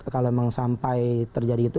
kalau memang sampai terjadi itu